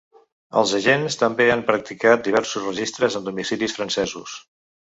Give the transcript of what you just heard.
Els agents també han practicat diversos registres en domicilis francesos.